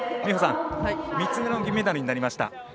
美帆さん３つ目の銀メダルになりました。